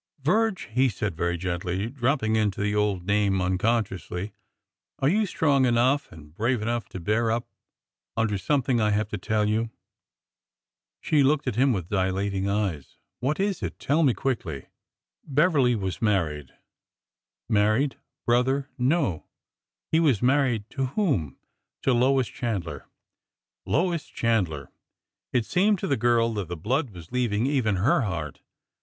Virge," he said very gently, dropping into the old name unconsciously, are you strong enough and brave enough to bear up under something I have to tell you ?" She looked at him with dilating eyes. What is it ? Tell me quickly !"'' Beverly was married." '^Married! Brother? No!" He was married." '' To whom? " To Lois Chandler." Lois Chandler! It seemed to the girl that the blood was leaving even her heart.